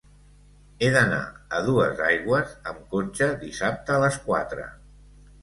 He d'anar a Duesaigües amb cotxe dissabte a les quatre.